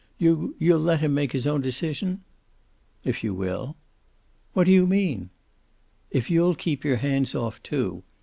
"You you'll let him make his own decision?" "If you will." "What do you mean?" "If you'll keep your hands off, too.